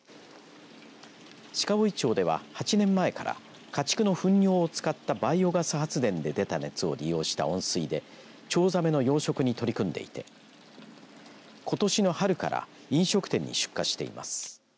鹿追町では８年前から家畜のふん尿を使ったバイオガス発電で出た熱を利用した温水でチョウザメの養殖に取り組んでいことしの春から飲食店に出荷しています。